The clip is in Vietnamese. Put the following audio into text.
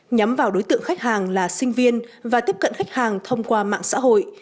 nhắm vào đối tượng khách hàng là sinh viên và tiếp cận khách hàng thông qua mạng xã hội